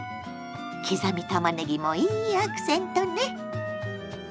刻みたまねぎもいいアクセントね。